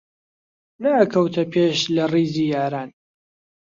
نەئەکەوتە پێش لە ڕیزی یاران